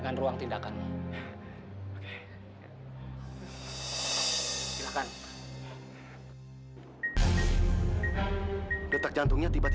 sampai jumpa di video selanjutnya